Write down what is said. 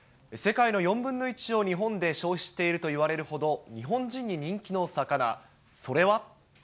世界の４分の１を日本で消費しているといわれているほど、日本人に人気の魚、それは。